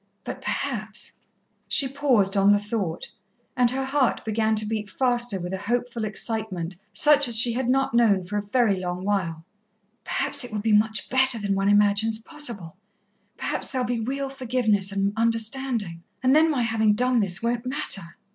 But perhaps " She paused on the thought, and her heart began to beat faster with a hopeful excitement such as she had not known for a very long while. "Perhaps it will be much better than one imagines possible. Perhaps there'll be real forgiveness and understanding and then my having done this won't matter.